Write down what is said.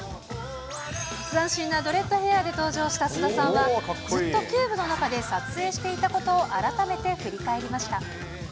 斬新なドレッドヘアで登場した菅田さんは、ずっとキューブの中で撮影していたことを改めて振り返りました。